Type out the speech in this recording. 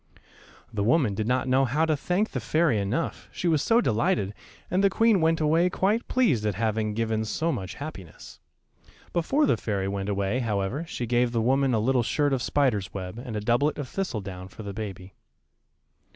The woman did not know how to thank the fairy enough; she was so delighted, and the queen went away quite pleased at having given so much happiness. [Illustration: THE FAIRY QUEEN BRINGING TOM THUMB TO HIS MOTHER.] Before the fairy went away, however, she gave the woman a little shirt of spider's web and a doublet of thistle down for the baby.